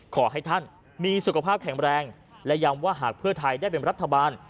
ขอให้ท่านมีสุขภาพแข็งแรงและย้ำว่าหากเพื่อไทยได้เป็นรัฐบาล